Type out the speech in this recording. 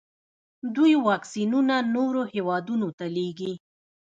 دوی واکسینونه نورو هیوادونو ته لیږي.